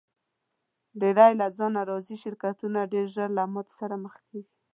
ډېری له ځانه راضي شرکتونه ډېر ژر له ماتې سره مخ کیږي.